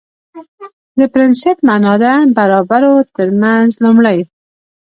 د پرنسېپ معنا ده برابرو ترمنځ لومړی